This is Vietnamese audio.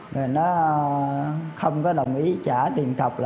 rồi nó không có đồng ý trả tiền cọc